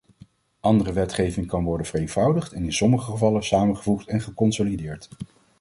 Andere wetgeving kan worden vereenvoudigd en in sommige gevallen samengevoegd en geconsolideerd.